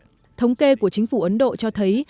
những thông tin của chính phủ ấn độ cho thấy